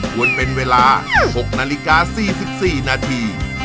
ควรเป็นเวลา๖นาฬิกา๔๔นาที